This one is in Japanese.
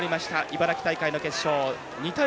茨城大会の決勝２対０。